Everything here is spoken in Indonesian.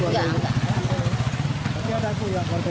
tapi ada aku yang warga yang tertimbun tadi